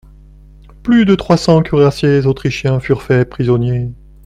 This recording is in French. Plus de trois cents cuirassiers autrichiens furent faits prisonniers.